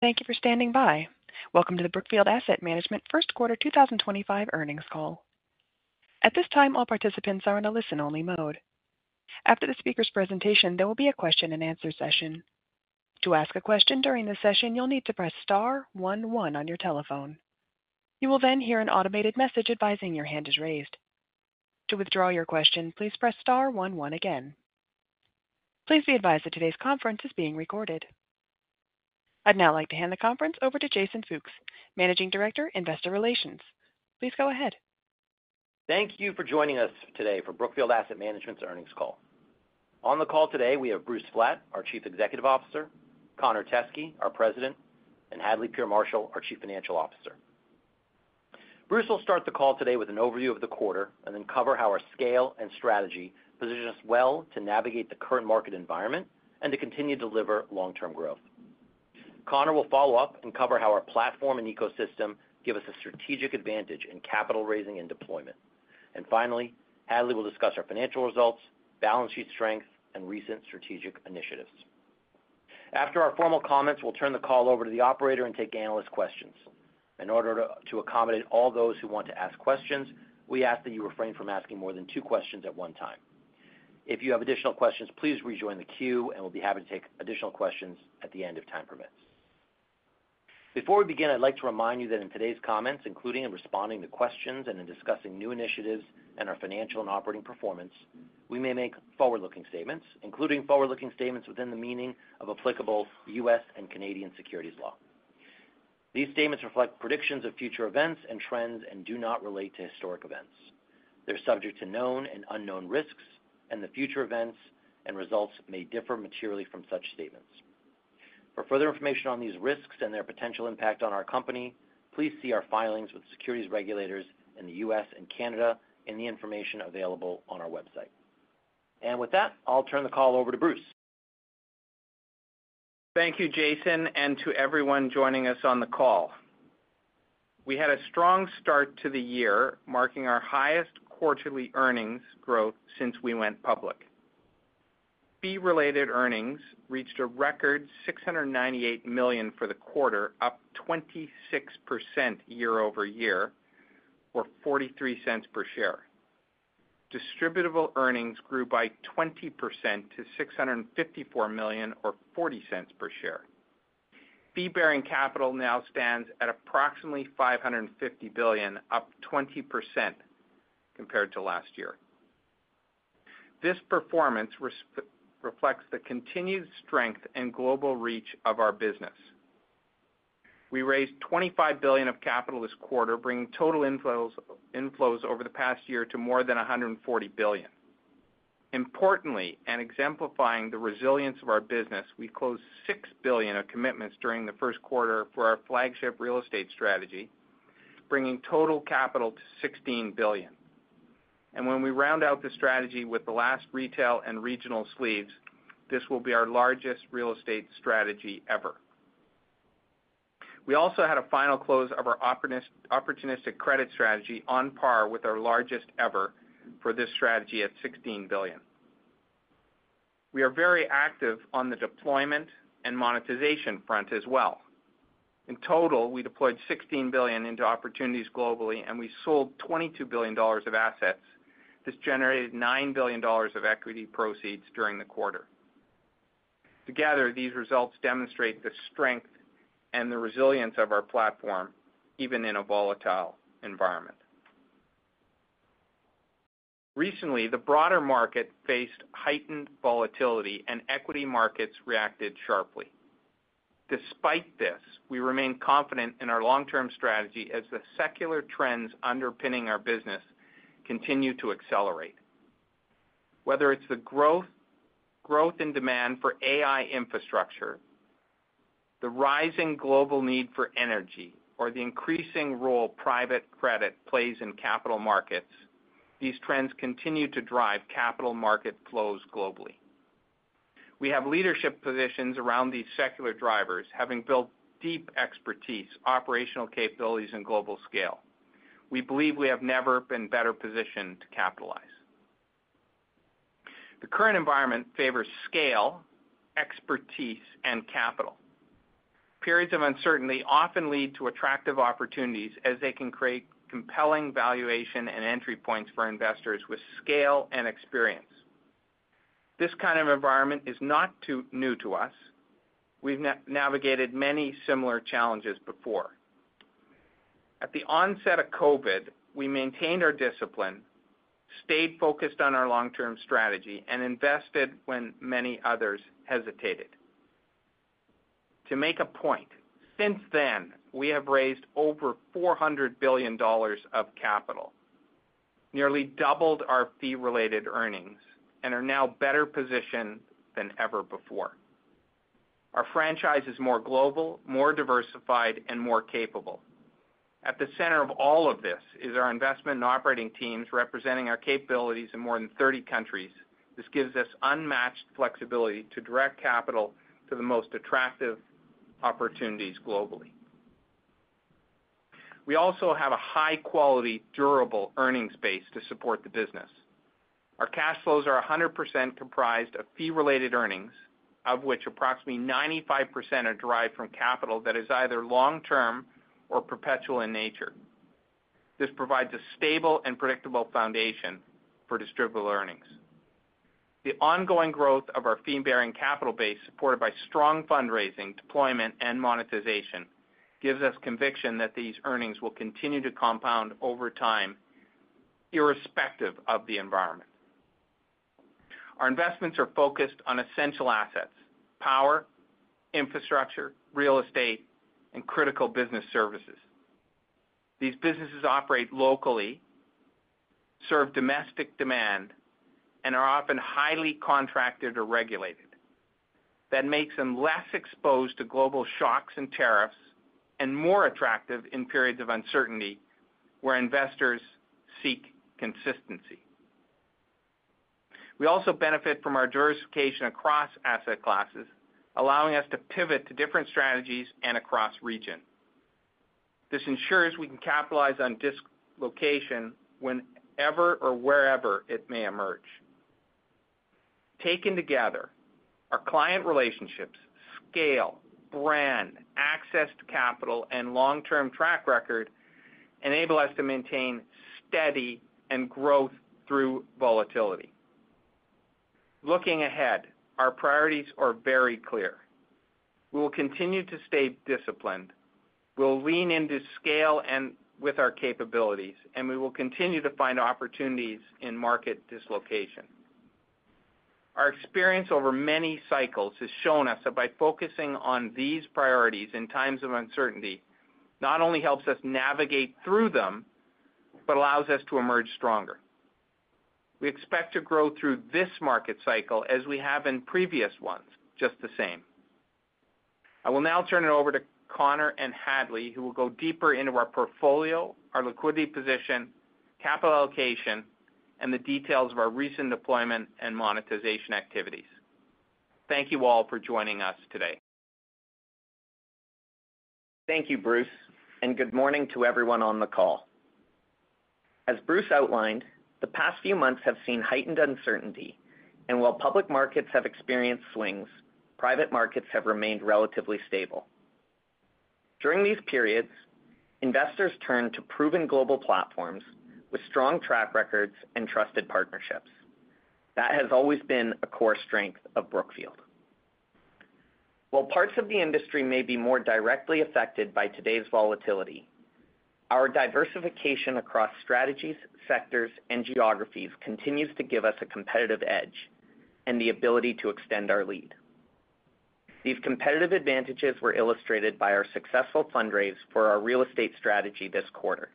Thank you for standing by. Welcome to the Brookfield Asset Management First Quarter 2025 earnings call. At this time, all participants are in a listen-only mode. After the speaker's presentation, there will be a question-and-answer session. To ask a question during the session, you'll need to press star one one on your telephone. You will then hear an automated message advising your hand is raised. To withdraw your question, please press star one one again. Please be advised that today's conference is being recorded. I'd now like to hand the conference over to Jason Fooks, Managing Director, Investor Relations. Please go ahead. Thank you for joining us today for Brookfield Asset Management's earnings call. On the call today, we have Bruce Flatt, our Chief Executive Officer, Connor Teskey, our President, and Hadley Peer Marshall, our Chief Financial Officer. Bruce will start the call today with an overview of the quarter and then cover how our scale and strategy position us well to navigate the current market environment and to continue to deliver long-term growth. Connor will follow up and cover how our platform and ecosystem give us a strategic advantage in capital raising and deployment. Finally, Hadley will discuss our financial results, balance sheet strength, and recent strategic initiatives. After our formal comments, we will turn the call over to the operator and take analyst questions. In order to accommodate all those who want to ask questions, we ask that you refrain from asking more than two questions at one time. If you have additional questions, please rejoin the queue, and we'll be happy to take additional questions at the end if time permits. Before we begin, I'd like to remind you that in today's comments, including in responding to questions and in discussing new initiatives and our financial and operating performance, we may make forward-looking statements, including forward-looking statements within the meaning of applicable U.S. and Canadian securities law. These statements reflect predictions of future events and trends and do not relate to historic events. They're subject to known and unknown risks, and the future events and results may differ materially from such statements. For further information on these risks and their potential impact on our company, please see our filings with securities regulators in the U.S. and Canada in the information available on our website. With that, I'll turn the call over to Bruce. Thank you, Jason, and to everyone joining us on the call. We had a strong start to the year, marking our highest quarterly earnings growth since we went public. Fee-related earnings reached a record $698 million for the quarter, up 26% year over year, or $0.43 per share. Distributable earnings grew by 20% to $654 million, or $0.40 per share. Fee-bearing capital now stands at approximately $550 billion, up 20% compared to last year. This performance reflects the continued strength and global reach of our business. We raised $25 billion of capital this quarter, bringing total inflows over the past year to more than $140 billion. Importantly, exemplifying the resilience of our business, we closed $6 billion of commitments during the first quarter for our flagship real estate strategy, bringing total capital to $16 billion. When we round out the strategy with the last retail and regional sleeves, this will be our largest real estate strategy ever. We also had a final close of our opportunistic credit strategy on par with our largest ever for this strategy at $16 billion. We are very active on the deployment and monetization front as well. In total, we deployed $16 billion into opportunities globally, and we sold $22 billion of assets. This generated $9 billion of equity proceeds during the quarter. Together, these results demonstrate the strength and the resilience of our platform, even in a volatile environment. Recently, the broader market faced heightened volatility, and equity markets reacted sharply. Despite this, we remain confident in our long-term strategy as the secular trends underpinning our business continue to accelerate. Whether it's the growth in demand for AI infrastructure, the rising global need for energy, or the increasing role private credit plays in capital markets, these trends continue to drive capital market flows globally. We have leadership positions around these secular drivers, having built deep expertise, operational capabilities, and global scale. We believe we have never been better positioned to capitalize. The current environment favors scale, expertise, and capital. Periods of uncertainty often lead to attractive opportunities as they can create compelling valuation and entry points for investors with scale and experience. This kind of environment is not too new to us. We've navigated many similar challenges before. At the onset of COVID, we maintained our discipline, stayed focused on our long-term strategy, and invested when many others hesitated. To make a point, since then, we have raised over $400 billion of capital, nearly doubled our fee-related earnings, and are now better positioned than ever before. Our franchise is more global, more diversified, and more capable. At the center of all of this is our investment and operating teams representing our capabilities in more than 30 countries. This gives us unmatched flexibility to direct capital to the most attractive opportunities globally. We also have a high-quality, durable earnings base to support the business. Our cash flows are 100% comprised of fee-related earnings, of which approximately 95% are derived from capital that is either long-term or perpetual in nature. This provides a stable and predictable foundation for distributable earnings. The ongoing growth of our fee-bearing capital base, supported by strong fundraising, deployment, and monetization, gives us conviction that these earnings will continue to compound over time, irrespective of the environment. Our investments are focused on essential assets: power, infrastructure, real estate, and critical business services. These businesses operate locally, serve domestic demand, and are often highly contracted or regulated. That makes them less exposed to global shocks and tariffs and more attractive in periods of uncertainty where investors seek consistency. We also benefit from our diversification across asset classes, allowing us to pivot to different strategies and across region. This ensures we can capitalize on dislocation whenever or wherever it may emerge. Taken together, our client relationships, scale, brand, access to capital, and long-term track record enable us to maintain steady growth through volatility. Looking ahead, our priorities are very clear. We will continue to stay disciplined. We'll lean into scale and with our capabilities, and we will continue to find opportunities in market dislocation. Our experience over many cycles has shown us that by focusing on these priorities in times of uncertainty not only helps us navigate through them but allows us to emerge stronger. We expect to grow through this market cycle as we have in previous ones, just the same. I will now turn it over to Connor and Hadley, who will go deeper into our portfolio, our liquidity position, capital allocation, and the details of our recent deployment and monetization activities. Thank you all for joining us today. Thank you, Bruce, and good morning to everyone on the call. As Bruce outlined, the past few months have seen heightened uncertainty, and while public markets have experienced swings, private markets have remained relatively stable. During these periods, investors turn to proven global platforms with strong track records and trusted partnerships. That has always been a core strength of Brookfield Asset Management. While parts of the industry may be more directly affected by today's volatility, our diversification across strategies, sectors, and geographies continues to give us a competitive edge and the ability to extend our lead. These competitive advantages were illustrated by our successful fundraise for our real estate strategy this quarter.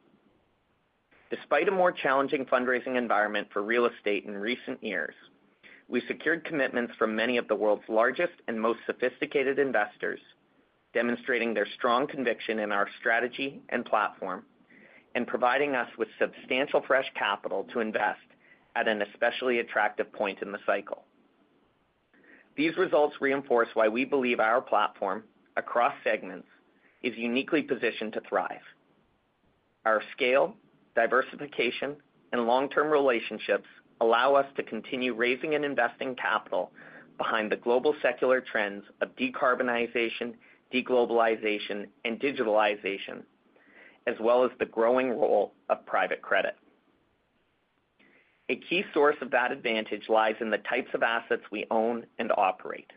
Despite a more challenging fundraising environment for real estate in recent years, we secured commitments from many of the world's largest and most sophisticated investors, demonstrating their strong conviction in our strategy and platform and providing us with substantial fresh capital to invest at an especially attractive point in the cycle. These results reinforce why we believe our platform, across segments, is uniquely positioned to thrive. Our scale, diversification, and long-term relationships allow us to continue raising and investing capital behind the global secular trends of decarbonization, deglobalization, and digitalization, as well as the growing role of private credit. A key source of that advantage lies in the types of assets we own and operate.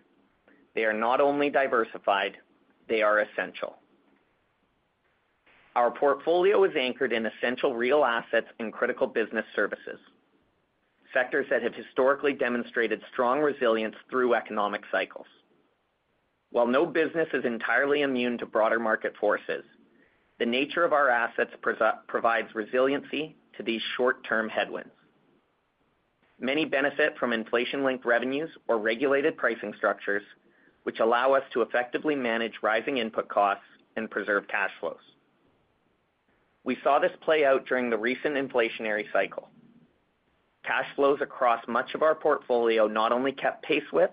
They are not only diversified; they are essential. Our portfolio is anchored in essential real assets and critical business services, sectors that have historically demonstrated strong resilience through economic cycles. While no business is entirely immune to broader market forces, the nature of our assets provides resiliency to these short-term headwinds. Many benefit from inflation-linked revenues or regulated pricing structures, which allow us to effectively manage rising input costs and preserve cash flows. We saw this play out during the recent inflationary cycle. Cash flows across much of our portfolio not only kept pace with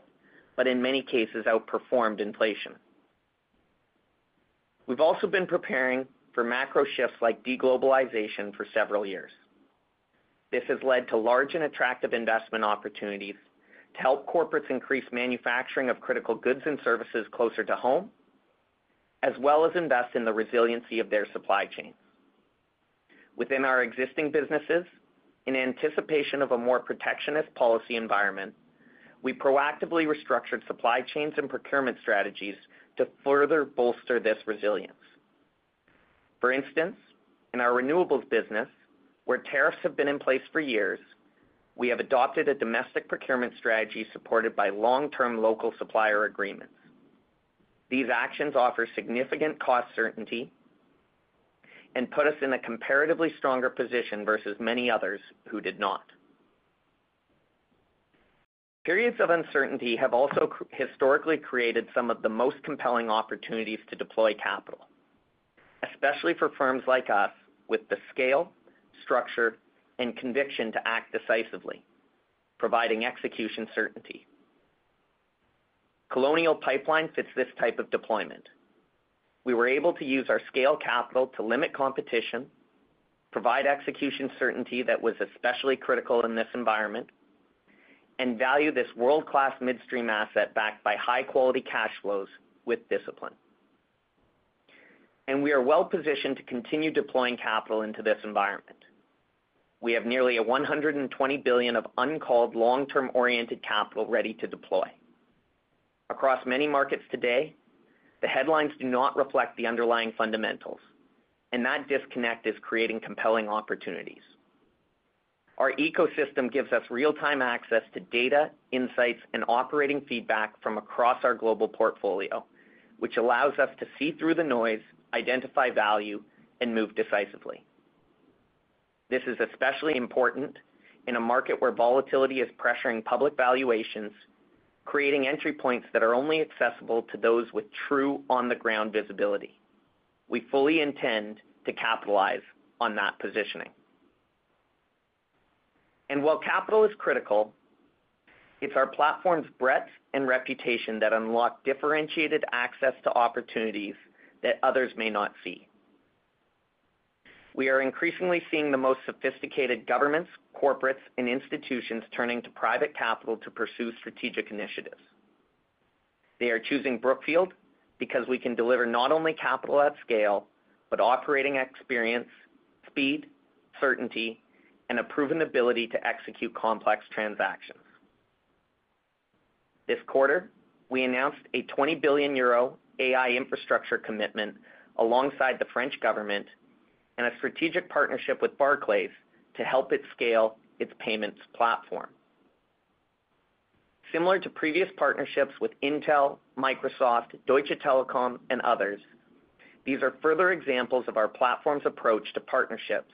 but, in many cases, outperformed inflation. We've also been preparing for macro shifts like deglobalization for several years. This has led to large and attractive investment opportunities to help corporates increase manufacturing of critical goods and services closer to home, as well as invest in the resiliency of their supply chains. Within our existing businesses, in anticipation of a more protectionist policy environment, we proactively restructured supply chains and procurement strategies to further bolster this resilience. For instance, in our renewables business, where tariffs have been in place for years, we have adopted a domestic procurement strategy supported by long-term local supplier agreements. These actions offer significant cost certainty and put us in a comparatively stronger position versus many others who did not. Periods of uncertainty have also historically created some of the most compelling opportunities to deploy capital, especially for firms like us with the scale, structure, and conviction to act decisively, providing execution certainty. Colonial Pipeline fits this type of deployment. We were able to use our scale capital to limit competition, provide execution certainty that was especially critical in this environment, and value this world-class midstream asset backed by high-quality cash flows with discipline. We are well positioned to continue deploying capital into this environment. We have nearly $120 billion of uncalled long-term-oriented capital ready to deploy. Across many markets today, the headlines do not reflect the underlying fundamentals, and that disconnect is creating compelling opportunities. Our ecosystem gives us real-time access to data, insights, and operating feedback from across our global portfolio, which allows us to see through the noise, identify value, and move decisively. This is especially important in a market where volatility is pressuring public valuations, creating entry points that are only accessible to those with true on-the-ground visibility. We fully intend to capitalize on that positioning. While capital is critical, it is our platform's breadth and reputation that unlock differentiated access to opportunities that others may not see. We are increasingly seeing the most sophisticated governments, corporates, and institutions turning to private capital to pursue strategic initiatives. They are choosing Brookfield because we can deliver not only capital at scale but operating experience, speed, certainty, and a proven ability to execute complex transactions. This quarter, we announced a 20 billion euro AI infrastructure commitment alongside the French government and a strategic partnership with Barclays to help it scale its payments platform. Similar to previous partnerships with Intel, Microsoft, Deutsche Telekom, and others, these are further examples of our platform's approach to partnerships,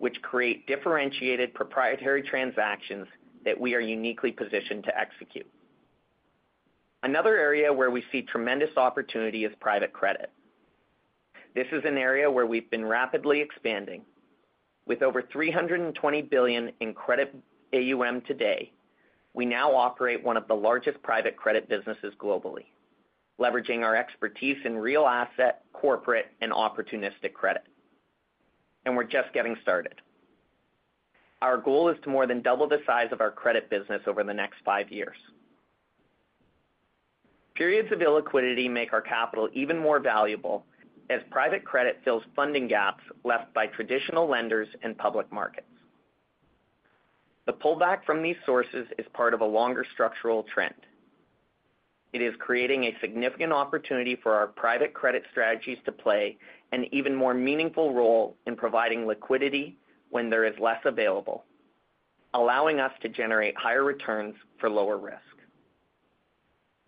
which create differentiated proprietary transactions that we are uniquely positioned to execute. Another area where we see tremendous opportunity is private credit. This is an area where we've been rapidly expanding. With over $320 billion in credit AUM today, we now operate one of the largest private credit businesses globally, leveraging our expertise in real asset, corporate, and opportunistic credit. We're just getting started. Our goal is to more than double the size of our credit business over the next five years. Periods of illiquidity make our capital even more valuable as private credit fills funding gaps left by traditional lenders and public markets. The pullback from these sources is part of a longer structural trend. It is creating a significant opportunity for our private credit strategies to play an even more meaningful role in providing liquidity when there is less available, allowing us to generate higher returns for lower risk.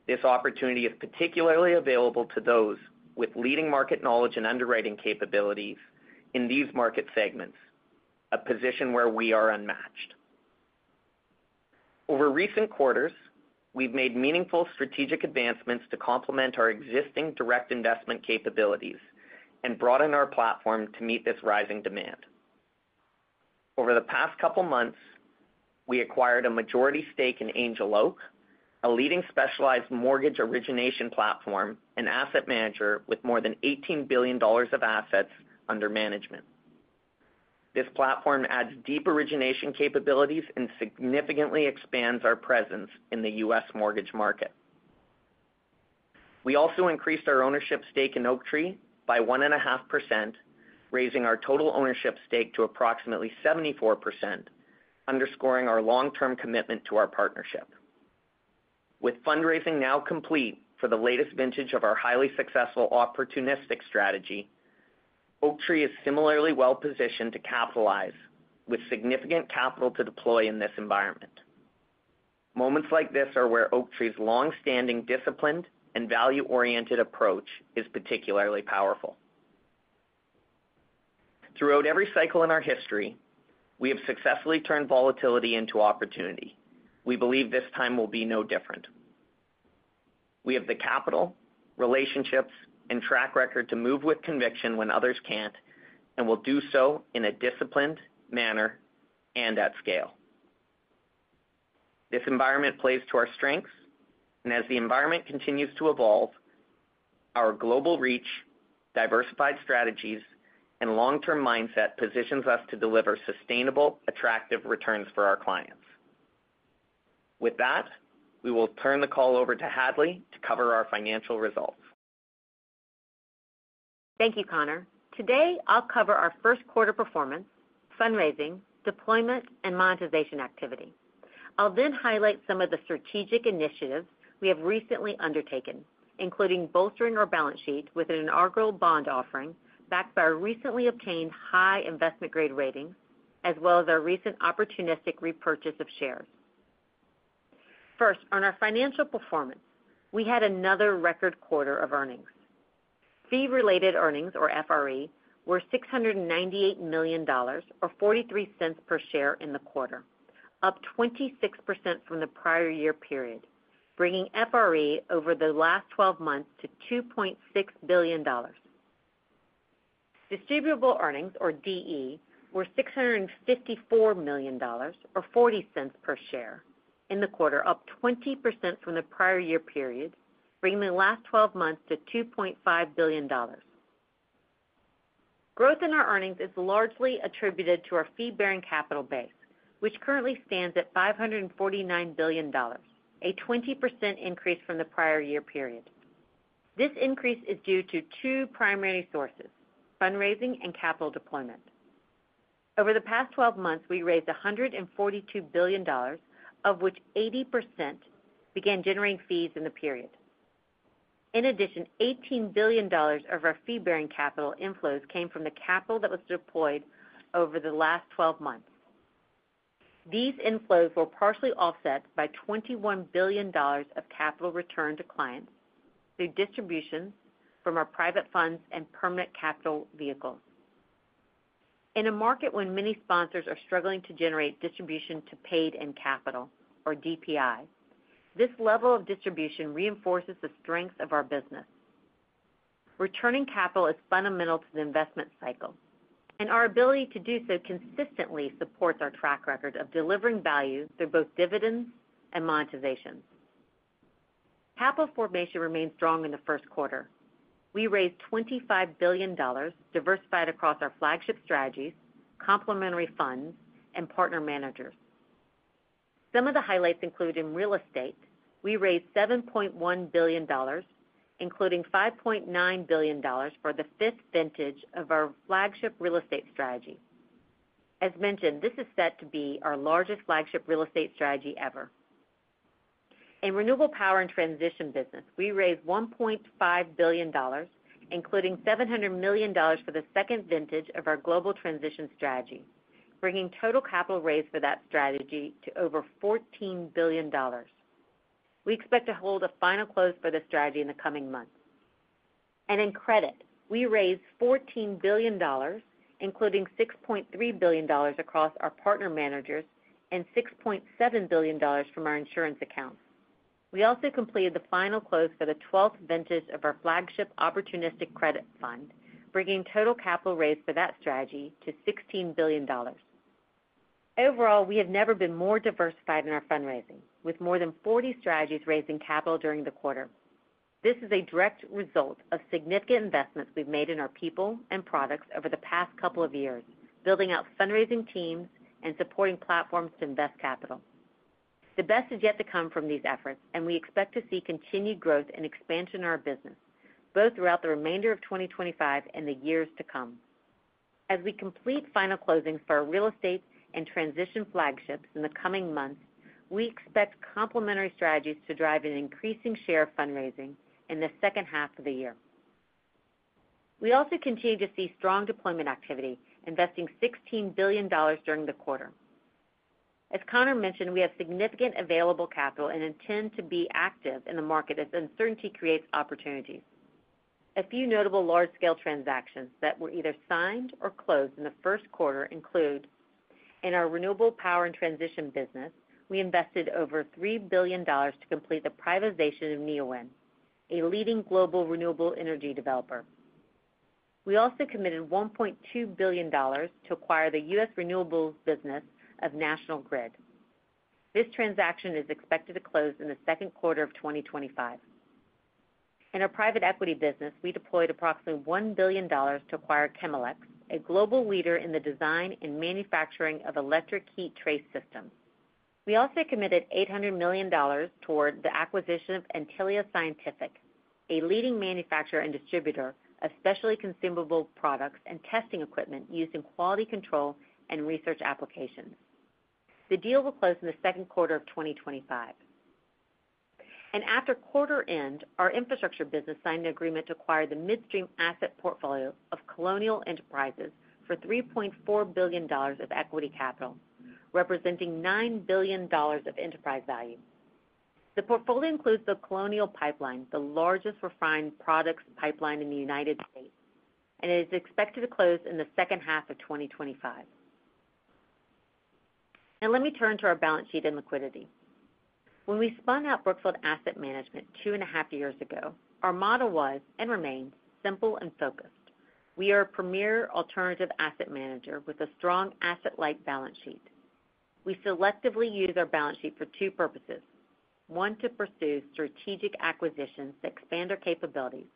This opportunity is particularly available to those with leading market knowledge and underwriting capabilities in these market segments, a position where we are unmatched. Over recent quarters, we've made meaningful strategic advancements to complement our existing direct investment capabilities and broaden our platform to meet this rising demand. Over the past couple of months, we acquired a majority stake in Angel Oak, a leading specialized mortgage origination platform and asset manager with more than $18 billion of assets under management. This platform adds deep origination capabilities and significantly expands our presence in the U.S. mortgage market. We also increased our ownership stake in Oaktree by 1.5%, raising our total ownership stake to approximately 74%, underscoring our long-term commitment to our partnership. With fundraising now complete for the latest vintage of our highly successful opportunistic strategy, Oaktree is similarly well positioned to capitalize with significant capital to deploy in this environment. Moments like this are where Oaktree's long-standing disciplined and value-oriented approach is particularly powerful. Throughout every cycle in our history, we have successfully turned volatility into opportunity. We believe this time will be no different. We have the capital, relationships, and track record to move with conviction when others can't and will do so in a disciplined manner and at scale. This environment plays to our strengths, and as the environment continues to evolve, our global reach, diversified strategies, and long-term mindset positions us to deliver sustainable, attractive returns for our clients. With that, we will turn the call over to Hadley to cover our financial results. Thank you, Connor. Today, I'll cover our first quarter performance, fundraising, deployment, and monetization activity. I'll then highlight some of the strategic initiatives we have recently undertaken, including bolstering our balance sheet with an inaugural bond offering backed by our recently obtained high investment-grade ratings, as well as our recent opportunistic repurchase of shares. First, on our financial performance, we had another record quarter of earnings. Fee-related earnings, or FRE, were $698 million or $0.43 per share in the quarter, up 26% from the prior year period, bringing FRE over the last 12 months to $2.6 billion. Distributable earnings, or DE, were $654 million or $0.40 per share in the quarter, up 20% from the prior year period, bringing the last 12 months to $2.5 billion. Growth in our earnings is largely attributed to our fee-bearing capital base, which currently stands at $549 billion, a 20% increase from the prior year period. This increase is due to two primary sources: fundraising and capital deployment. Over the past 12 months, we raised $142 billion, of which 80% began generating fees in the period. In addition, $18 billion of our fee-bearing capital inflows came from the capital that was deployed over the last 12 months. These inflows were partially offset by $21 billion of capital return to clients through distributions from our private funds and permanent capital vehicles. In a market where many sponsors are struggling to generate distribution to paid-in capital, or DPI, this level of distribution reinforces the strength of our business. Returning capital is fundamental to the investment cycle, and our ability to do so consistently supports our track record of delivering value through both dividends and monetization. Capital formation remained strong in the first quarter. We raised $25 billion, diversified across our flagship strategies, complementary funds, and partner managers. Some of the highlights include in real estate. We raised $7.1 billion, including $5.9 billion for the fifth vintage of our flagship real estate strategy. As mentioned, this is set to be our largest flagship real estate strategy ever. In renewable power and transition business, we raised $1.5 billion, including $700 million for the second vintage of our global transition strategy, bringing total capital raised for that strategy to over $14 billion. We expect to hold a final close for the strategy in the coming months. In credit, we raised $14 billion, including $6.3 billion across our partner managers and $6.7 billion from our insurance accounts. We also completed the final close for the 12th vintage of our flagship Opportunistic Credit Fund, bringing total capital raised for that strategy to $16 billion. Overall, we have never been more diversified in our fundraising, with more than 40 strategies raising capital during the quarter. This is a direct result of significant investments we have made in our people and products over the past couple of years, building out fundraising teams and supporting platforms to invest capital. The best is yet to come from these efforts, and we expect to see continued growth and expansion in our business, both throughout the remainder of 2025 and the years to come. As we complete final closings for our real estate and transition flagships in the coming months, we expect complementary strategies to drive an increasing share of fundraising in the second half of the year. We also continue to see strong deployment activity, investing $16 billion during the quarter. As Connor mentioned, we have significant available capital and intend to be active in the market as uncertainty creates opportunities. A few notable large-scale transactions that were either signed or closed in the first quarter include in our renewable power and transition business, we invested over $3 billion to complete the privatization of NeoWind, a leading global renewable energy developer. We also committed $1.2 billion to acquire the U.S. renewables business of National Grid. This transaction is expected to close in the second quarter of 2025. In our private equity business, we deployed approximately $1 billion to acquire Chemelecs, a global leader in the design and manufacturing of electric heat trace systems. We also committed $800 million toward the acquisition of Antylia Scientific, a leading manufacturer and distributor of specialty consumable products and testing equipment used in quality control and research applications. The deal will close in the second quarter of 2025. After quarter-end, our infrastructure business signed an agreement to acquire the midstream asset portfolio of Colonial Enterprises for $3.4 billion of equity capital, representing $9 billion of enterprise value. The portfolio includes the Colonial Pipeline, the largest refined products pipeline in the United States, and it is expected to close in the second half of 2025. Now, let me turn to our balance sheet and liquidity. When we spun out Brookfield Asset Management two and a half years ago, our model was and remains simple and focused. We are a premier alternative asset manager with a strong asset-light balance sheet. We selectively use our balance sheet for two purposes: one, to pursue strategic acquisitions to expand our capabilities,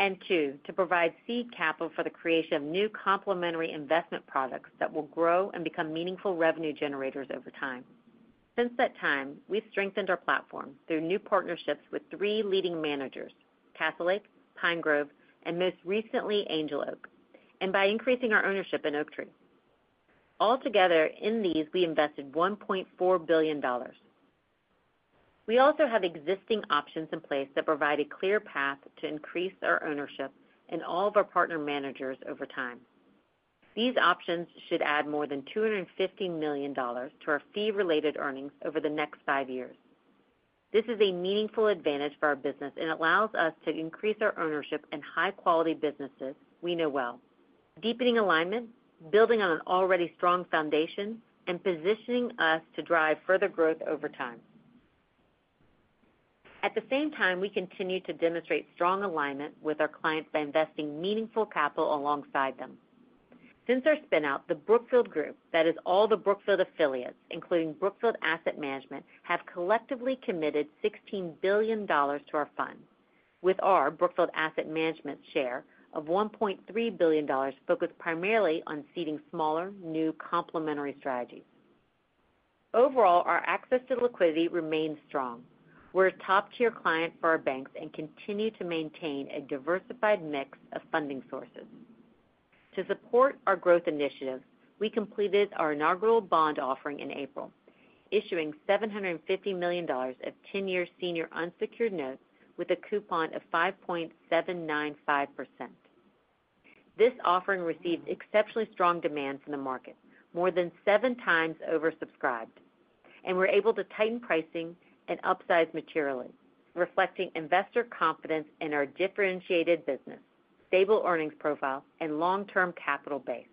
and two, to provide seed capital for the creation of new complementary investment products that will grow and become meaningful revenue generators over time. Since that time, we've strengthened our platform through new partnerships with three leading managers: Castle Lake, Pine Grove, and most recently, Angel Oak, and by increasing our ownership in Oaktree. Altogether, in these, we invested $1.4 billion. We also have existing options in place that provide a clear path to increase our ownership in all of our partner managers over time. These options should add more than $250 million to our fee-related earnings over the next five years. This is a meaningful advantage for our business and allows us to increase our ownership in high-quality businesses we know well, deepening alignment, building on an already strong foundation, and positioning us to drive further growth over time. At the same time, we continue to demonstrate strong alignment with our clients by investing meaningful capital alongside them. Since our spinout, the Brookfield Group, that is all the Brookfield affiliates, including Brookfield Asset Management, have collectively committed $16 billion to our fund, with our Brookfield Asset Management share of $1.3 billion focused primarily on seeding smaller new complementary strategies. Overall, our access to liquidity remains strong. We're a top-tier client for our banks and continue to maintain a diversified mix of funding sources. To support our growth initiatives, we completed our inaugural bond offering in April, issuing $750 million of 10-year senior unsecured notes with a coupon of 5.795%. This offering received exceptionally strong demand from the market, more than seven times oversubscribed, and we're able to tighten pricing and upsize materially, reflecting investor confidence in our differentiated business, stable earnings profile, and long-term capital base.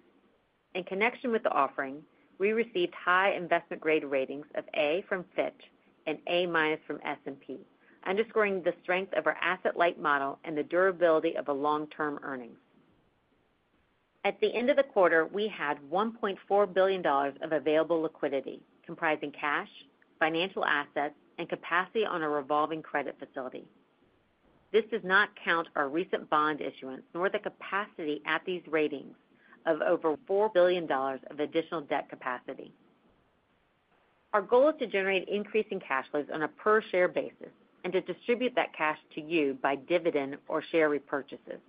In connection with the offering, we received high investment-grade ratings of A from Fitch and A- from S&P, underscoring the strength of our asset-light model and the durability of our long-term earnings. At the end of the quarter, we had $1.4 billion of available liquidity, comprising cash, financial assets, and capacity on our revolving credit facility. This does not count our recent bond issuance, nor the capacity at these ratings of over $4 billion of additional debt capacity. Our goal is to generate increasing cash flows on a per-share basis and to distribute that cash to you by dividend or share repurchases.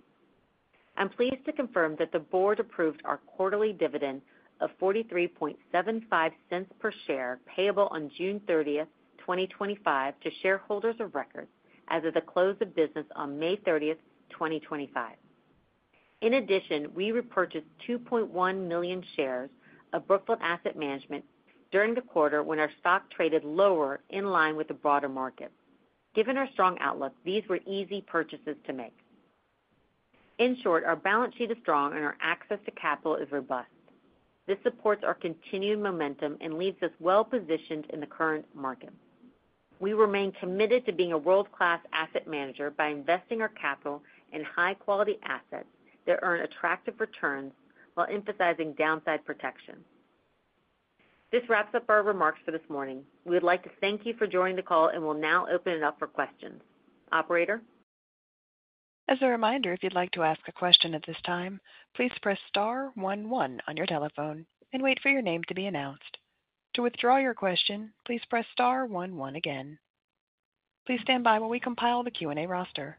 I'm pleased to confirm that the board approved our quarterly dividend of $0.4375 per share payable on June 30, 2025, to shareholders of record as of the close of business on May 30, 2025. In addition, we repurchased 2.1 million shares of Brookfield Asset Management during the quarter when our stock traded lower in line with the broader market. Given our strong outlook, these were easy purchases to make. In short, our balance sheet is strong and our access to capital is robust. This supports our continued momentum and leaves us well-positioned in the current market. We remain committed to being a world-class asset manager by investing our capital in high-quality assets that earn attractive returns while emphasizing downside protection. This wraps up our remarks for this morning. We would like to thank you for joining the call and will now open it up for questions. Operator. As a reminder, if you'd like to ask a question at this time, please press star 11 on your telephone and wait for your name to be announced. To withdraw your question, please press star 11 again. Please stand by while we compile the Q&A roster.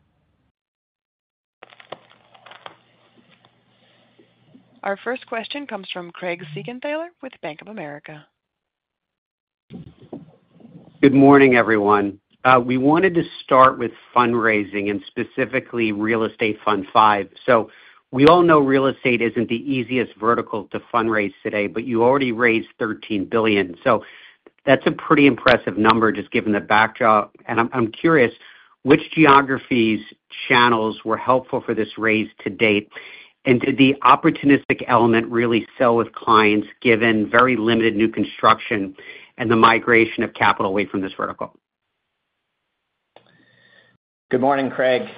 Our first question comes from Craig Siegenthaler with Bank of America. Good morning, everyone. We wanted to start with fundraising and specifically Real Estate Fund 5. We all know real estate isn't the easiest vertical to fundraise today, but you already raised $13 billion. That is a pretty impressive number just given the backdrop. I'm curious, which geographies' channels were helpful for this raise to date? Did the opportunistic element really sell with clients given very limited new construction and the migration of capital away from this vertical? Good morning, Craig.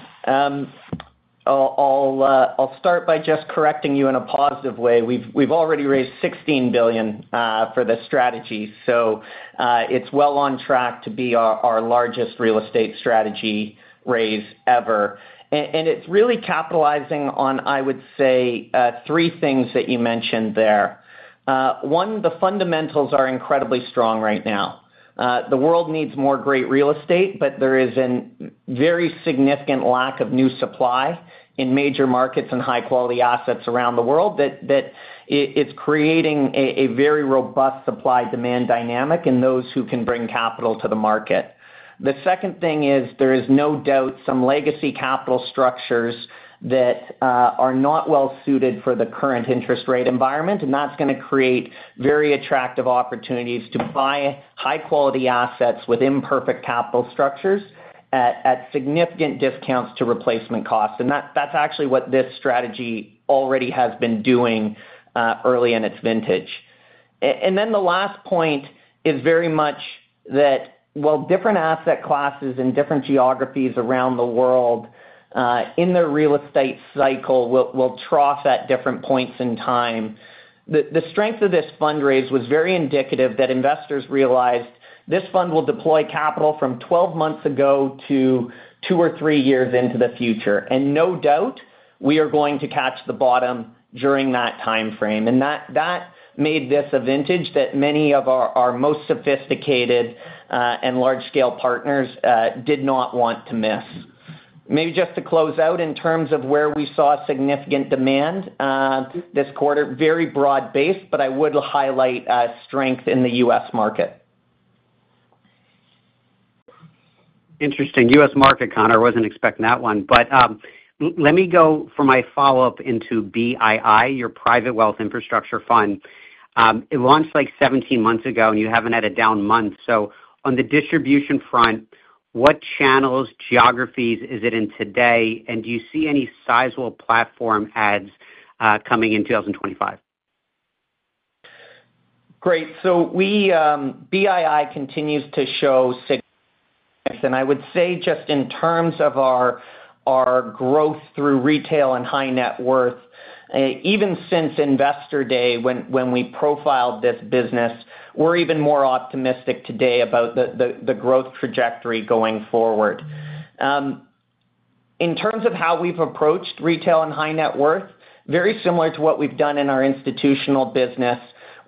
I'll start by just correcting you in a positive way. We've already raised $16 billion for this strategy. It is well on track to be our largest real estate strategy raise ever. It is really capitalizing on, I would say, three things that you mentioned there. One, the fundamentals are incredibly strong right now. The world needs more great real estate, but there is a very significant lack of new supply in major markets and high-quality assets around the world that is creating a very robust supply-demand dynamic in those who can bring capital to the market. The second thing is there is no doubt some legacy capital structures that are not well-suited for the current interest rate environment, and that is going to create very attractive opportunities to buy high-quality assets with imperfect capital structures at significant discounts to replacement costs. That is actually what this strategy already has been doing early in its vintage. The last point is very much that different asset classes in different geographies around the world in their real estate cycle will trough at different points in time. The strength of this fundraise was very indicative that investors realized this fund will deploy capital from 12 months ago to two or three years into the future. No doubt, we are going to catch the bottom during that timeframe. That made this a vintage that many of our most sophisticated and large-scale partners did not want to miss. Maybe just to close out, in terms of where we saw significant demand this quarter, very broad-based, but I would highlight strength in the U.S. market. Interesting. U.S. market, Connor, I wasn't expecting that one. Let me go for my follow-up into BII, your Private Wealth Infrastructure Fund. It launched like 17 months ago, and you haven't had a down month. On the distribution front, what channels, geographies is it in today? Do you see any sizable platform ads coming in 2025? Great. BII continues to show success. I would say just in terms of our growth through retail and high net worth, even since investor day when we profiled this business, we're even more optimistic today about the growth trajectory going forward. In terms of how we've approached retail and high net worth, very similar to what we've done in our institutional business,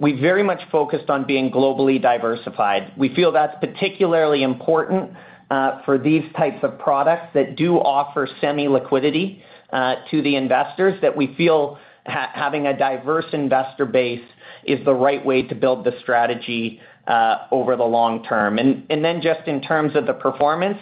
we very much focused on being globally diversified. We feel that's particularly important for these types of products that do offer semi-liquidity to the investors, that we feel having a diverse investor base is the right way to build the strategy over the long term. Just in terms of the performance,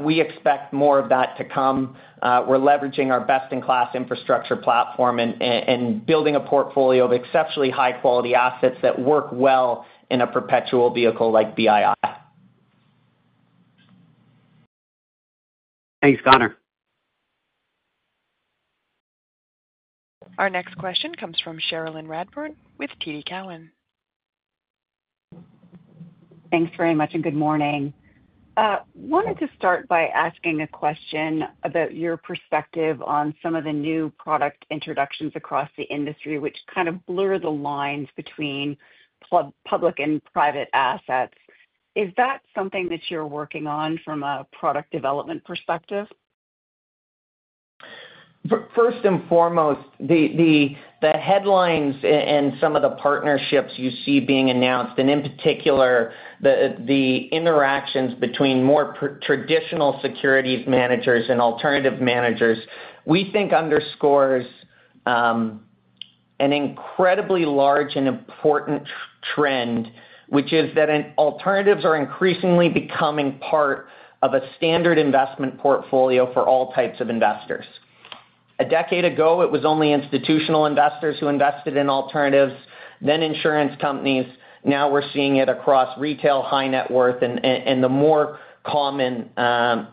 we expect more of that to come. We're leveraging our best-in-class infrastructure platform and building a portfolio of exceptionally high-quality assets that work well in a perpetual vehicle like BII. Thanks, Connor. Our next question comes from Cherilyn Radbourne with TD Cowen. Thanks very much and good morning. I wanted to start by asking a question about your perspective on some of the new product introductions across the industry, which kind of blur the lines between public and private assets. Is that something that you're working on from a product development perspective? First and foremost, the headlines and some of the partnerships you see being announced, and in particular, the interactions between more traditional securities managers and alternative managers, we think underscores an incredibly large and important trend, which is that alternatives are increasingly becoming part of a standard investment portfolio for all types of investors. A decade ago, it was only institutional investors who invested in alternatives, then insurance companies. Now we're seeing it across retail, high net worth, and the more common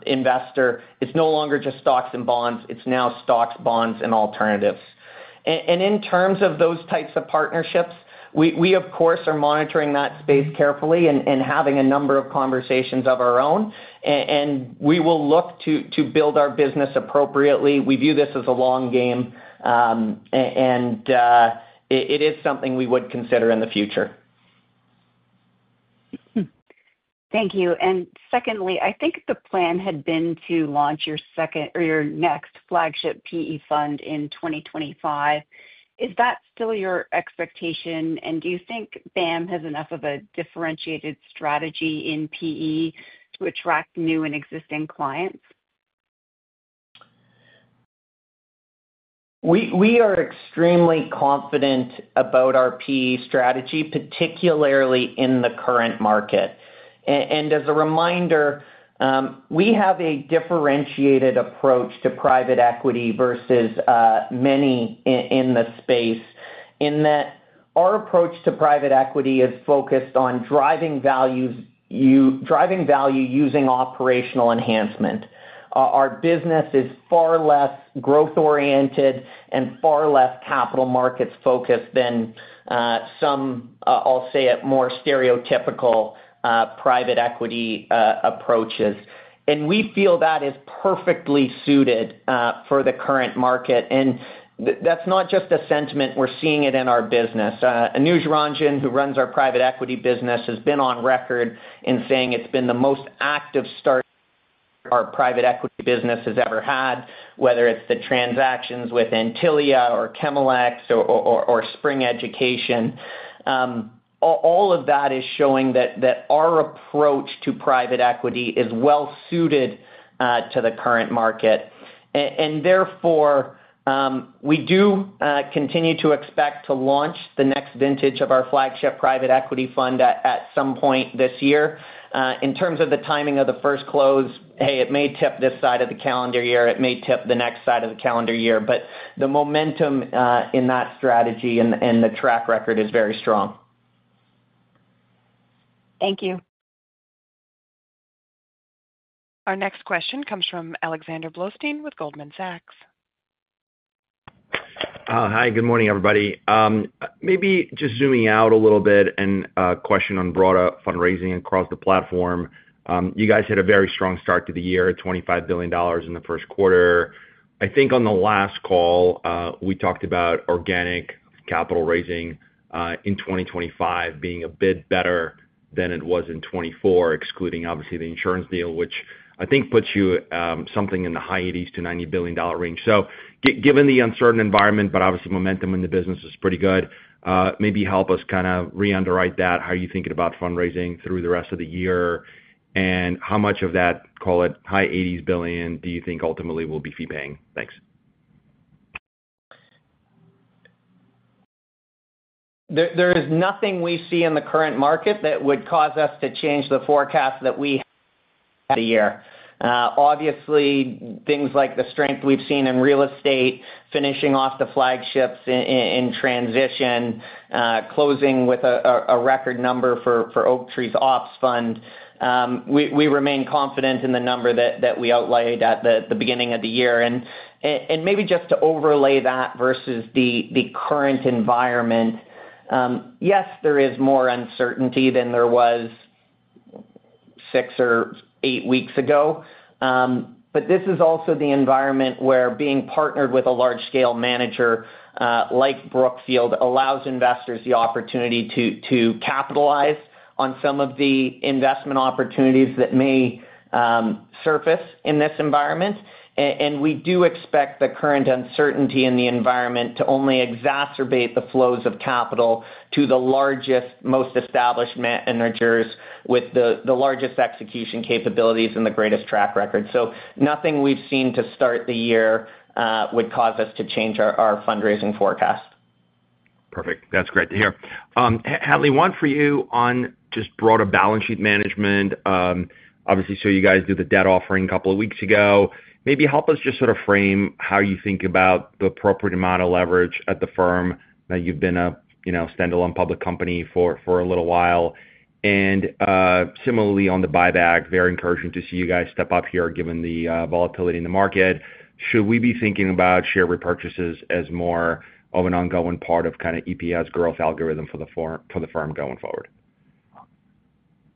investor. It's no longer just stocks and bonds. It's now stocks, bonds, and alternatives. In terms of those types of partnerships, we, of course, are monitoring that space carefully and having a number of conversations of our own. We will look to build our business appropriately. We view this as a long game, and it is something we would consider in the future. Thank you. Secondly, I think the plan had been to launch your second or your next flagship PE fund in 2025. Is that still your expectation? Do you think BAM has enough of a differentiated strategy in PE to attract new and existing clients? We are extremely confident about our PE strategy, particularly in the current market. As a reminder, we have a differentiated approach to private equity versus many in the space in that our approach to private equity is focused on driving value using operational enhancement. Our business is far less growth-oriented and far less capital markets-focused than some, I'll say, more stereotypical private equity approaches. We feel that is perfectly suited for the current market. That is not just a sentiment. We are seeing it in our business. Anuj Ranjan, who runs our private equity business, has been on record in saying it has been the most active start our private equity business has ever had, whether it is the transactions with Antylia Scientific or Chemelecs or Spring Education. All of that is showing that our approach to private equity is well-suited to the current market. We do continue to expect to launch the next vintage of our flagship private equity fund at some point this year. In terms of the timing of the first close, hey, it may tip this side of the calendar year. It may tip the next side of the calendar year. The momentum in that strategy and the track record is very strong. Thank you. Our next question comes from Alexander Blostein with Goldman Sachs. Hi, good morning, everybody. Maybe just zooming out a little bit and a question on broader fundraising across the platform. You guys had a very strong start to the year, $25 billion in the first quarter. I think on the last call, we talked about organic capital raising in 2025 being a bit better than it was in 2024, excluding, obviously, the insurance deal, which I think puts you something in the high $80 billion-$90 billion range. Given the uncertain environment, but obviously, momentum in the business is pretty good, maybe help us kind of re-underwrite that. How are you thinking about fundraising through the rest of the year? How much of that, call it high $80 billion, do you think ultimately will be fee-paying? Thanks. There is nothing we see in the current market that would cause us to change the forecast that we had the year. Obviously, things like the strength we've seen in real estate, finishing off the flagships in transition, closing with a record number for Oaktree's ops fund. We remain confident in the number that we outlayed at the beginning of the year. Maybe just to overlay that versus the current environment, yes, there is more uncertainty than there was six or eight weeks ago. This is also the environment where being partnered with a large-scale manager like Brookfield allows investors the opportunity to capitalize on some of the investment opportunities that may surface in this environment. We do expect the current uncertainty in the environment to only exacerbate the flows of capital to the largest, most established managers with the largest execution capabilities and the greatest track record. Nothing we've seen to start the year would cause us to change our fundraising forecast. Perfect. That's great to hear. Hadley, one for you on just broader balance sheet management. Obviously, you guys did the debt offering a couple of weeks ago. Maybe help us just sort of frame how you think about the appropriate amount of leverage at the firm that you've been a standalone public company for a little while. Similarly, on the buyback, very encouraging to see you guys step up here given the volatility in the market. Should we be thinking about share repurchases as more of an ongoing part of kind of EPS growth algorithm for the firm going forward?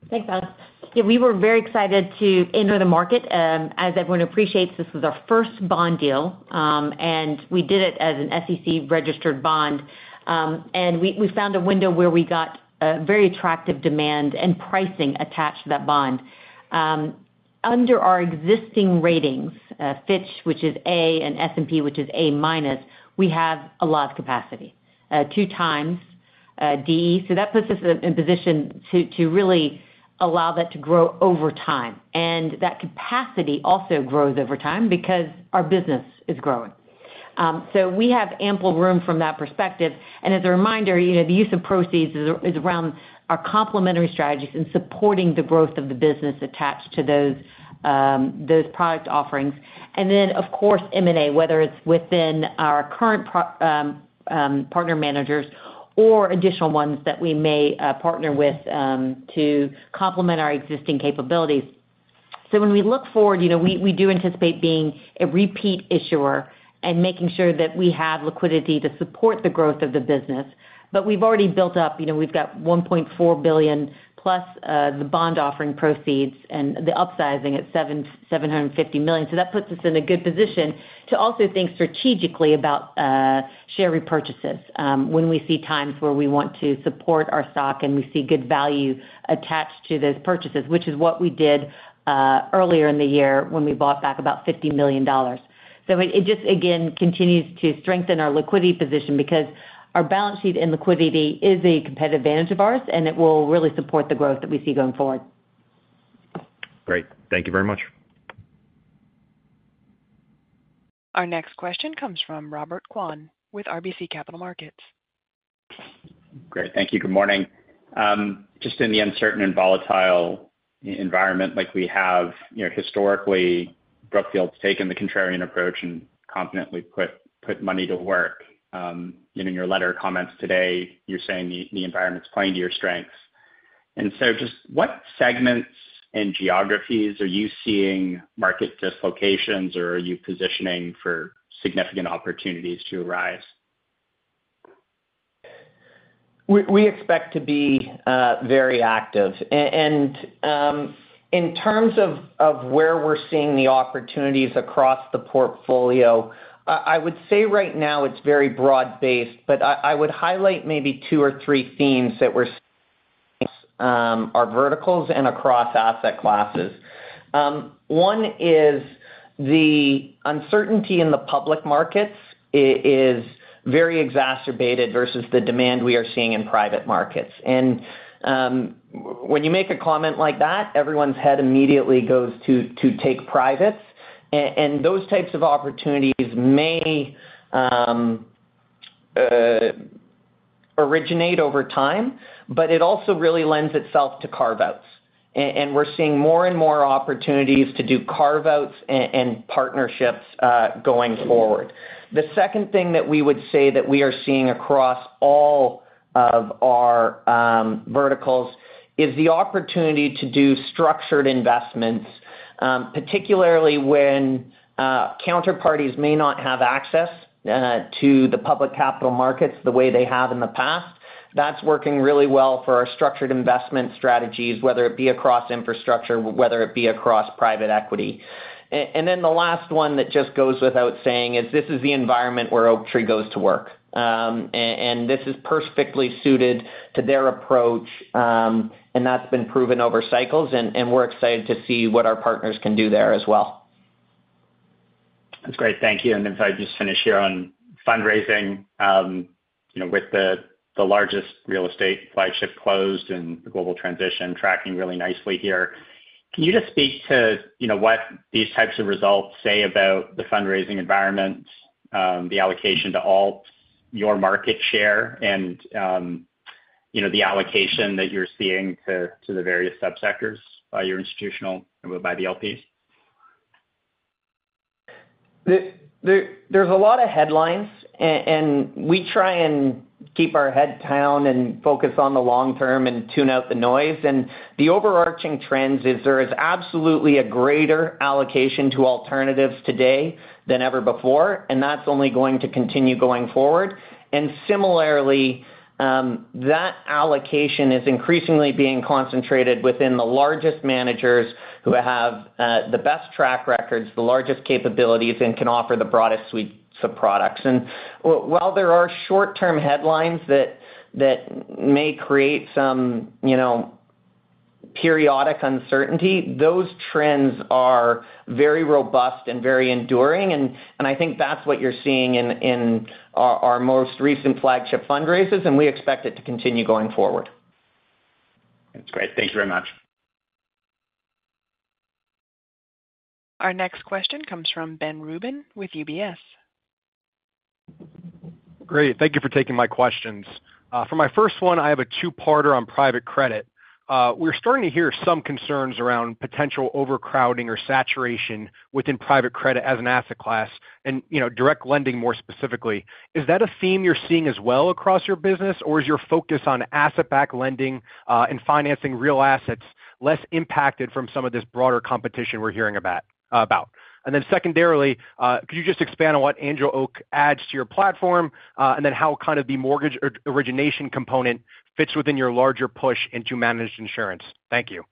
Thanks, Alex. Yeah, we were very excited to enter the market. As everyone appreciates, this was our first bond deal, and we did it as an SEC-registered bond. We found a window where we got very attractive demand and pricing attached to that bond. Under our existing ratings, Fitch, which is A, and S&P, which is A minus, we have a lot of capacity, two times DE. That puts us in a position to really allow that to grow over time. That capacity also grows over time because our business is growing. We have ample room from that perspective. As a reminder, the use of proceeds is around our complementary strategies and supporting the growth of the business attached to those product offerings. Of course, M&A, whether it's within our current partner managers or additional ones that we may partner with to complement our existing capabilities. When we look forward, we do anticipate being a repeat issuer and making sure that we have liquidity to support the growth of the business. We've already built up. We've got $1.4 billion plus the bond offering proceeds and the upsizing at $750 million. That puts us in a good position to also think strategically about share repurchases when we see times where we want to support our stock and we see good value attached to those purchases, which is what we did earlier in the year when we bought back about $50 million. It just, again, continues to strengthen our liquidity position because our balance sheet and liquidity is a competitive advantage of ours, and it will really support the growth that we see going forward. Great. Thank you very much. Our next question comes from Robert Kwan with RBC Capital Markets. Great. Thank you. Good morning. Just in the uncertain and volatile environment like we have historically, Brookfield's taken the contrarian approach and confidently put money to work. In your letter comments today, you're saying the environment's playing to your strengths. Just what segments and geographies are you seeing market dislocations, or are you positioning for significant opportunities to arise? We expect to be very active. In terms of where we're seeing the opportunities across the portfolio, I would say right now it's very broad-based, but I would highlight maybe two or three themes that we're seeing across our verticals and across asset classes. One is the uncertainty in the public markets is very exacerbated versus the demand we are seeing in private markets. When you make a comment like that, everyone's head immediately goes to take privates. Those types of opportunities may originate over time, but it also really lends itself to carve-outs. We're seeing more and more opportunities to do carve-outs and partnerships going forward. The second thing that we would say that we are seeing across all of our verticals is the opportunity to do structured investments, particularly when counterparties may not have access to the public capital markets the way they have in the past. That is working really well for our structured investment strategies, whether it be across infrastructure, whether it be across private equity. The last one that just goes without saying is this is the environment where Oaktree goes to work. This is perfectly suited to their approach, and that has been proven over cycles. We are excited to see what our partners can do there as well. That's great. Thank you. If I just finish here on fundraising, with the largest real estate flagship closed and the global transition tracking really nicely here, can you just speak to what these types of results say about the fundraising environment, the allocation to all your market share, and the allocation that you're seeing to the various subsectors by your institutional, by the LPs? are a lot of headlines, and we try and keep our head down and focus on the long term and tune out the noise. The overarching trend is there is absolutely a greater allocation to alternatives today than ever before, and that's only going to continue going forward. Similarly, that allocation is increasingly being concentrated within the largest managers who have the best track records, the largest capabilities, and can offer the broadest suites of products. While there are short-term headlines that may create some periodic uncertainty, those trends are very robust and very enduring. I think that's what you're seeing in our most recent flagship fundraisers, and we expect it to continue going forward. That's great. Thank you very much. Our next question comes from Ben Rubin with UBS. Great. Thank you for taking my questions. For my first one, I have a two-parter on private credit. We're starting to hear some concerns around potential overcrowding or saturation within private credit as an asset class and direct lending more specifically. Is that a theme you're seeing as well across your business, or is your focus on asset-backed lending and financing real assets less impacted from some of this broader competition we're hearing about? Secondarily, could you just expand on what Angel Oak adds to your platform and then how kind of the mortgage origination component fits within your larger push into managed insurance? Thank you.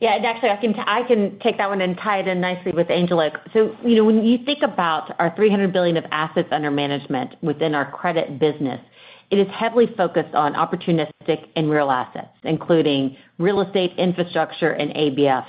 Yeah. Actually, I can take that one and tie it in nicely with Angel Oak. When you think about our $300 billion of assets under management within our credit business, it is heavily focused on opportunistic and real assets, including real estate, infrastructure, and ABF.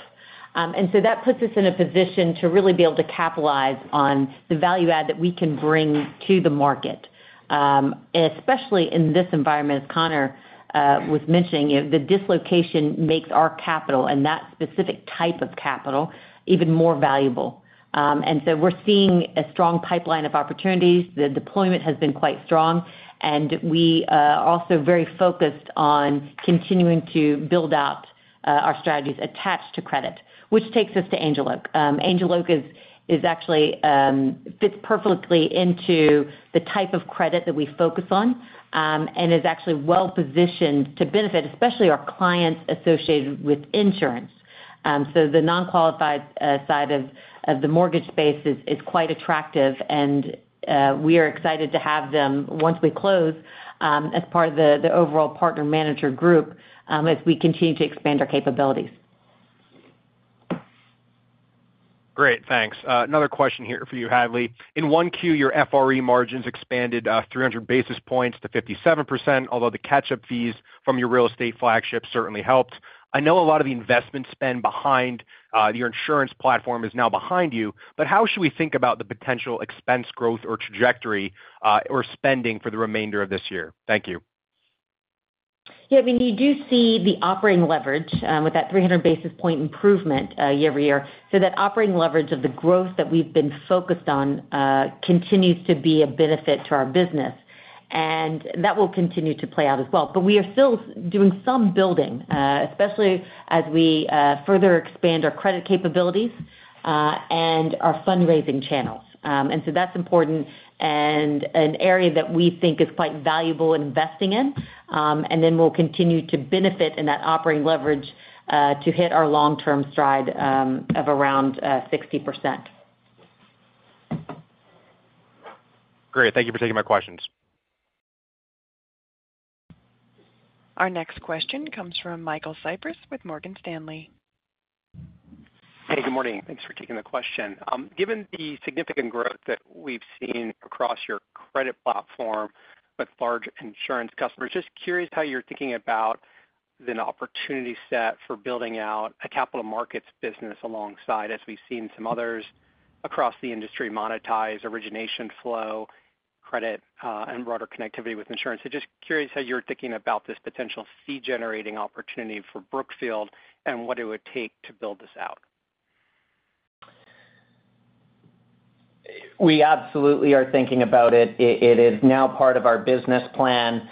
That puts us in a position to really be able to capitalize on the value add that we can bring to the market, especially in this environment, as Connor was mentioning. The dislocation makes our capital and that specific type of capital even more valuable. We are seeing a strong pipeline of opportunities. The deployment has been quite strong, and we are also very focused on continuing to build out our strategies attached to credit, which takes us to Angel Oak. Angel Oak actually fits perfectly into the type of credit that we focus on and is actually well-positioned to benefit especially our clients associated with insurance. The non-qualified side of the mortgage space is quite attractive, and we are excited to have them once we close as part of the overall partner manager group as we continue to expand our capabilities. Great. Thanks. Another question here for you, Hadley. In Q1, your FRE margins expanded 300 basis points to 57%, although the catch-up fees from your real estate flagship certainly helped. I know a lot of the investment spend behind your insurance platform is now behind you, but how should we think about the potential expense growth or trajectory or spending for the remainder of this year? Thank you. Yeah. I mean, you do see the operating leverage with that 300 basis point improvement year over year. That operating leverage of the growth that we've been focused on continues to be a benefit to our business, and that will continue to play out as well. We are still doing some building, especially as we further expand our credit capabilities and our fundraising channels. That is important and an area that we think is quite valuable investing in. We will continue to benefit in that operating leverage to hit our long-term stride of around 60%. Great. Thank you for taking my questions. Our next question comes from Michael Cyprys with Morgan Stanley. Hey, good morning. Thanks for taking the question. Given the significant growth that we've seen across your credit platform with large insurance customers, just curious how you're thinking about the opportunity set for building out a capital markets business alongside, as we've seen some others across the industry, monetize, origination flow, credit, and broader connectivity with insurance. Just curious how you're thinking about this potential fee-generating opportunity for Brookfield and what it would take to build this out. We absolutely are thinking about it. It is now part of our business plan.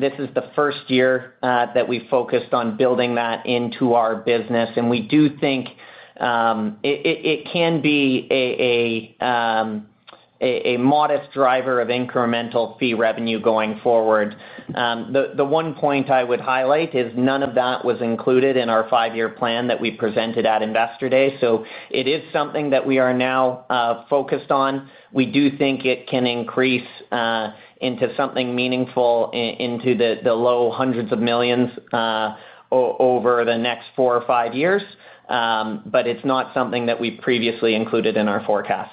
This is the first year that we focused on building that into our business. We do think it can be a modest driver of incremental fee revenue going forward. The one point I would highlight is none of that was included in our five-year plan that we presented at Investor Day. It is something that we are now focused on. We do think it can increase into something meaningful into the low hundreds of millions over the next four or five years, but it's not something that we previously included in our forecast.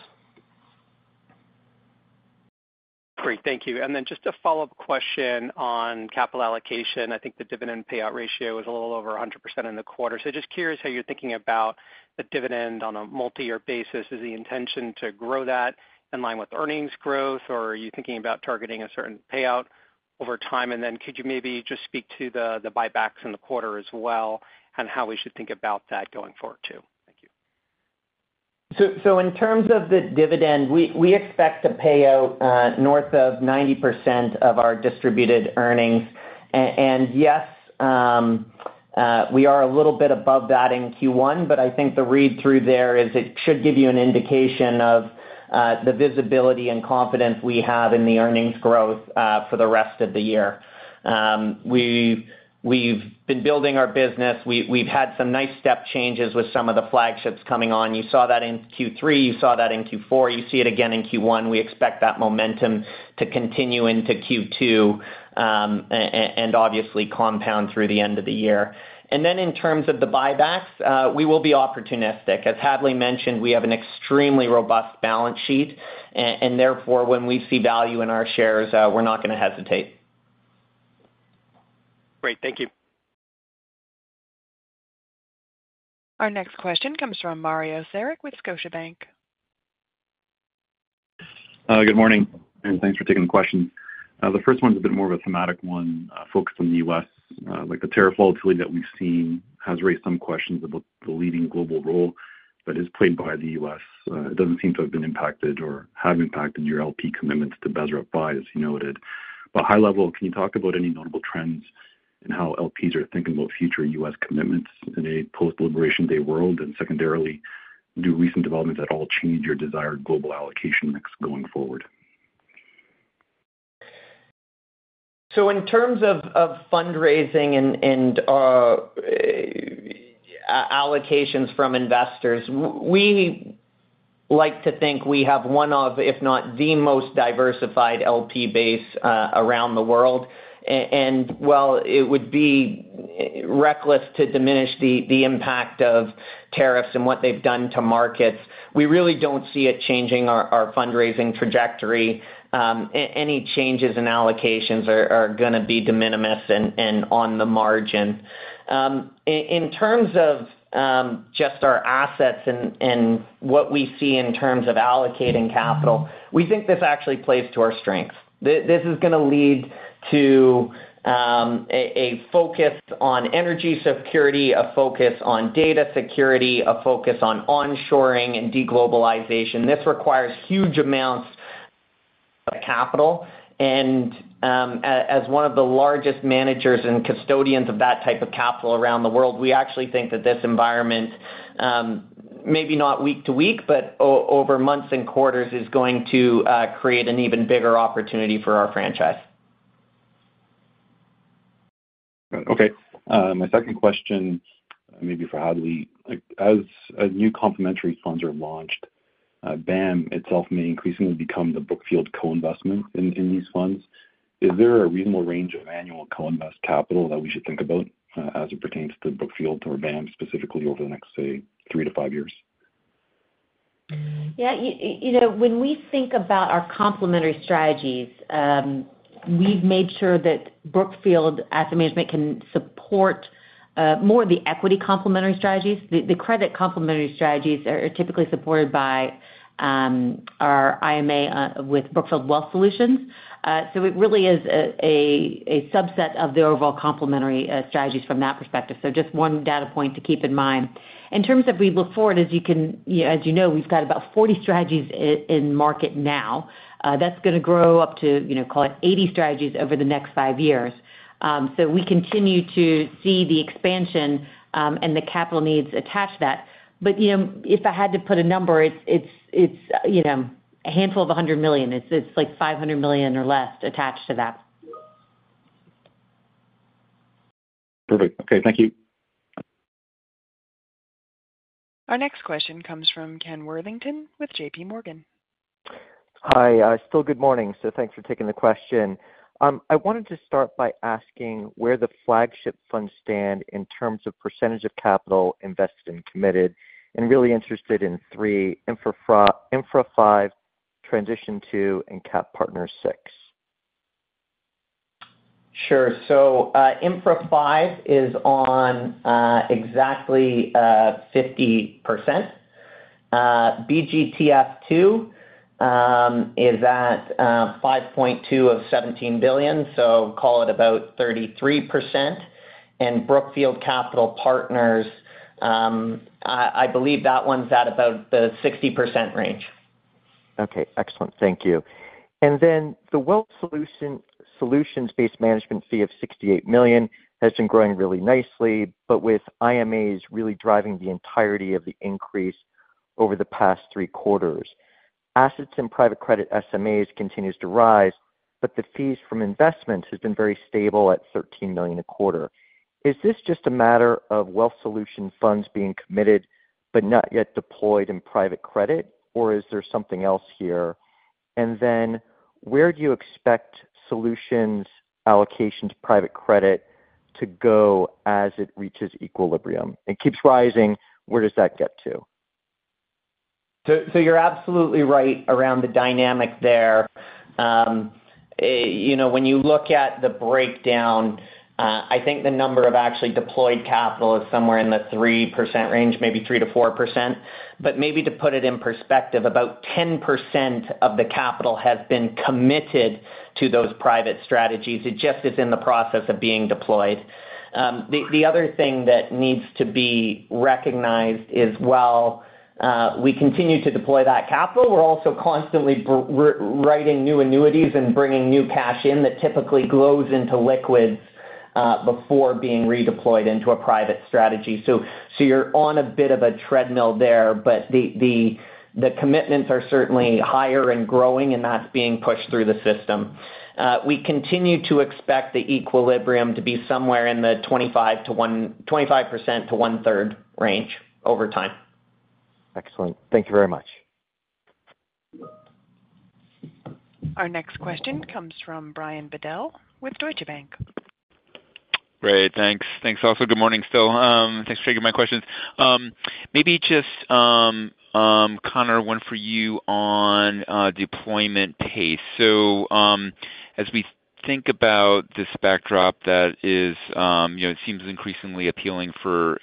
Great. Thank you. Just a follow-up question on capital allocation. I think the dividend payout ratio was a little over 100% in the quarter. Just curious how you're thinking about the dividend on a multi-year basis. Is the intention to grow that in line with earnings growth, or are you thinking about targeting a certain payout over time? Could you maybe just speak to the buybacks in the quarter as well and how we should think about that going forward too? Thank you. In terms of the dividend, we expect to pay out north of 90% of our distributed earnings. Yes, we are a little bit above that in Q1, but I think the read-through there is it should give you an indication of the visibility and confidence we have in the earnings growth for the rest of the year. We have been building our business. We have had some nice step changes with some of the flagships coming on. You saw that in Q3. You saw that in Q4. You see it again in Q1. We expect that momentum to continue into Q2 and obviously compound through the end of the year. In terms of the buybacks, we will be opportunistic. As Hadley mentioned, we have an extremely robust balance sheet, and therefore, when we see value in our shares, we are not going to hesitate. Great. Thank you. Our next question comes from Mario Saric with Scotiabank. Good morning, and thanks for taking the question. The first one's a bit more of a thematic one, focused on the U.S. The tariff volatility that we've seen has raised some questions about the leading global role that is played by the U.S. It doesn't seem to have been impacted or have impacted your LP commitments to Bezerra Buy, as you noted. High level, can you talk about any notable trends in how LPs are thinking about future U.S. commitments in a post-Liberation Day world? Secondarily, do recent developments at all change your desired global allocation mix going forward? In terms of fundraising and allocations from investors, we like to think we have one of, if not the most diversified LP base around the world. While it would be reckless to diminish the impact of tariffs and what they've done to markets, we really don't see it changing our fundraising trajectory. Any changes in allocations are going to be de minimis and on the margin. In terms of just our assets and what we see in terms of allocating capital, we think this actually plays to our strength. This is going to lead to a focus on energy security, a focus on data security, a focus on onshoring and deglobalization. This requires huge amounts of capital. As one of the largest managers and custodians of that type of capital around the world, we actually think that this environment, maybe not week to week, but over months and quarters, is going to create an even bigger opportunity for our franchise. Okay. My second question may be for Hadley. As new complementary funds are launched, BAM itself may increasingly become the Brookfield co-investment in these funds. Is there a reasonable range of annual co-invest capital that we should think about as it pertains to Brookfield or BAM specifically over the next, say, three to five years? Yeah. When we think about our complementary strategies, we've made sure that Brookfield Asset Management can support more of the equity complementary strategies. The credit complementary strategies are typically supported by our IMA with Brookfield Wealth Solutions. It really is a subset of the overall complementary strategies from that perspective. Just one data point to keep in mind. In terms of where we look forward, as you know, we've got about 40 strategies in market now. That's going to grow up to, call it, 80 strategies over the next five years. We continue to see the expansion and the capital needs attached to that. If I had to put a number, it's a handful of $100 million. It's like $500 million or less attached to that. Perfect. Okay. Thank you. Our next question comes from Ken Worthington with J.P. Morgan. Hi. Still good morning. Thanks for taking the question. I wanted to start by asking where the flagship funds stand in terms of percentage of capital invested and committed, and really interested in three, Infra 5, Transition 2, and Cap Partner 6. Sure. Infra 5 is on exactly 50%. BGTF 2 is at $5.2 billion of $17 billion, so call it about 33%. Brookfield Capital Partners, I believe that one's at about the 60% range. Okay. Excellent. Thank you. The Wealth Solutions-based management fee of $68 million has been growing really nicely, with IMAs really driving the entirety of the increase over the past three quarters. Assets in private credit SMAs continue to rise, but the fees from investments have been very stable at $13 million a quarter. Is this just a matter of Wealth Solution funds being committed but not yet deployed in private credit, or is there something else here? Where do you expect solutions allocation to private credit to go as it reaches equilibrium? It keeps rising. Where does that get to? You're absolutely right around the dynamic there. When you look at the breakdown, I think the number of actually deployed capital is somewhere in the 3% range, maybe 3-4%. Maybe to put it in perspective, about 10% of the capital has been committed to those private strategies. It just is in the process of being deployed. The other thing that needs to be recognized is, while we continue to deploy that capital, we're also constantly writing new annuities and bringing new cash in that typically flows into liquids before being redeployed into a private strategy. You're on a bit of a treadmill there, but the commitments are certainly higher and growing, and that's being pushed through the system. We continue to expect the equilibrium to be somewhere in the 25%-one third range over time. Excellent. Thank you very much. Our next question comes from Brian Bedell with Deutsche Bank. Great. Thanks. Thanks also. Good morning still. Thanks for taking my questions. Maybe just, Connor, one for you on deployment pace. As we think about this backdrop that seems increasingly appealing for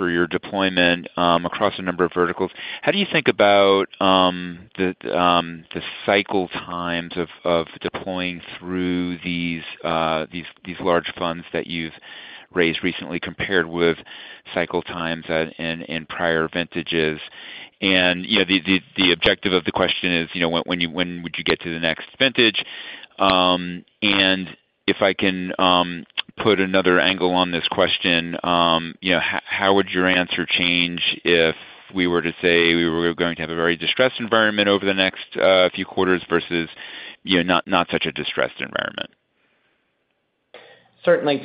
your deployment across a number of verticals, how do you think about the cycle times of deploying through these large funds that you've raised recently compared with cycle times in prior vintages? The objective of the question is, when would you get to the next vintage? If I can put another angle on this question, how would your answer change if we were to say we were going to have a very distressed environment over the next few quarters versus not such a distressed environment? Certainly.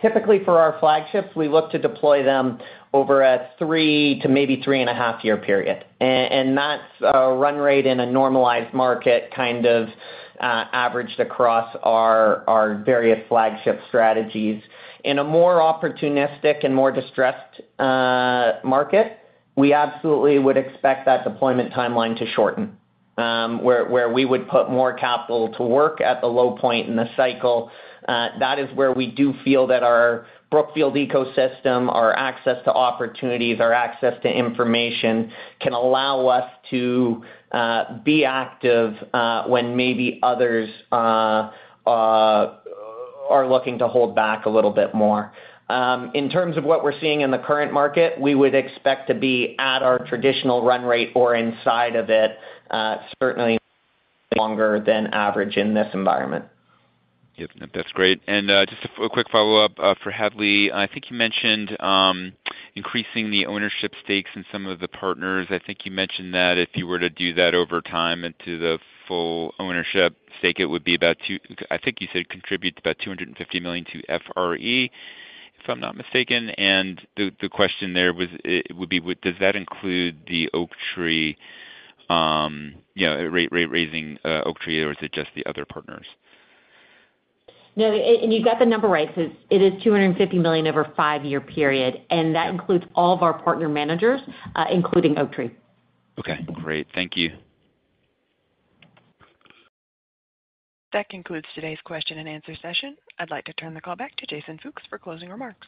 Typically for our flagships, we look to deploy them over a three to maybe three-and-a-half-year period. That is a run rate in a normalized market kind of averaged across our various flagship strategies. In a more opportunistic and more distressed market, we absolutely would expect that deployment timeline to shorten, where we would put more capital to work at the low point in the cycle. That is where we do feel that our Brookfield ecosystem, our access to opportunities, our access to information can allow us to be active when maybe others are looking to hold back a little bit more. In terms of what we are seeing in the current market, we would expect to be at our traditional run rate or inside of it, certainly longer than average in this environment. Yep. That's great. Just a quick follow-up for Hadley. I think you mentioned increasing the ownership stakes in some of the partners. I think you mentioned that if you were to do that over time into the full ownership stake, it would be about—I think you said contribute about $250 million to FRE, if I'm not mistaken. The question there would be, does that include the Oaktree rate-raising Oaktree, or is it just the other partners? No, and you got the number right because it is $250 million over a five-year period, and that includes all of our partner managers, including Oaktree. Okay. Great. Thank you. That concludes today's question and answer session. I'd like to turn the call back to Jason Fooks for closing remarks.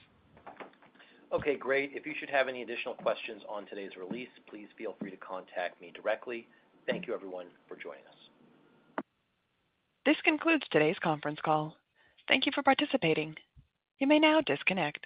Okay. Great. If you should have any additional questions on today's release, please feel free to contact me directly. Thank you, everyone, for joining us. This concludes today's conference call. Thank you for participating. You may now disconnect.